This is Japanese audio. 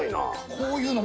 こういうのも。